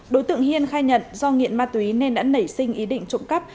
đối tượng hiên khai nhận do nghiện ma túy nên đã nảy sinh ý định trộm cắp